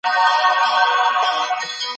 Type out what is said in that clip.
تاسو به د خپل ذهن په پیاوړتیا کي کامیاب سئ.